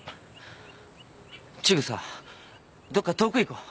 千草どっか遠く行こう。